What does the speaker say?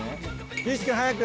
岸君早く。